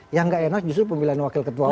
yang gak enak justru pemilihan wakil ketua umum